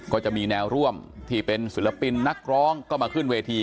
ก็จะมีแนวร่วมที่เป็นศิลปินนักร้องก็มาขึ้นเวที